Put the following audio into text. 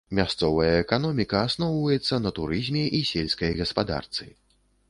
Мясцовая эканоміка асноўваецца на турызме і сельскай гаспадарцы.